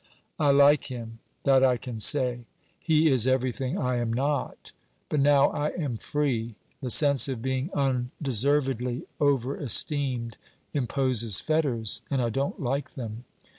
'I like him: that I can say. He is everything I am not. But now I am free, the sense of being undeservedly over esteemed imposes fetters, and I don't like them.